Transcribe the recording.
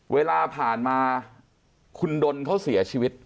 เวลาผ่านมาคุณดนเขาเสียชีวิต